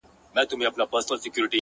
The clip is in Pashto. هېره مي يې،